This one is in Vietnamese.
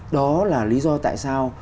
đó là lý do tại sao